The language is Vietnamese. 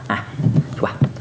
à chú bà